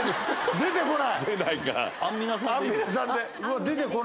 出てこない。